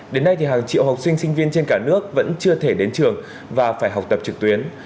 đến nay hàng triệu học sinh sinh viên trên cả nước vẫn chưa thể đến trường và phải học tập trực tuyến